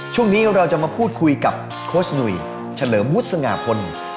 ช่วงนี้เราจะมาพูดคุยกับโค้ชหนุ่ยเฉลิมวุฒิสง่าพล